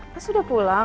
mas udah pulang